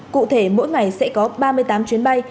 cụ thể mỗi ngày sẽ có ba mươi tám chuyến bay